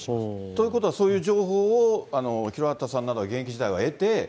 ということはそういう情報を廣畑さんらは現役時代は得て。